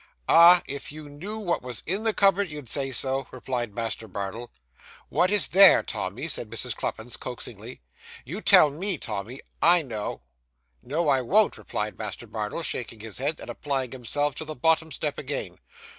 'Ah, if you knew what was in the cupboard, you'd say so,' replied Master Bardell. 'What is there, Tommy?' said Mrs. Cluppins coaxingly. 'You'll tell me, Tommy, I know.' No, I won't,' replied Master Bardell, shaking his head, and applying himself to the bottom step again.